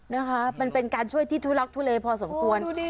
นี่นะคะเป็นการช่วยที่ทูลักทูเลพอถ้องควร